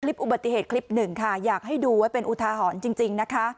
คลิปอุบัติเหตุคลิปหนึ่งค่ะอยากให้ดูไว้เป็นอุทาหรณ์จริงนะคะ